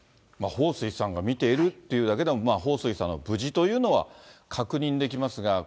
彭帥さんが見ているというだけでも、彭帥さんが無事というのは確認できますが。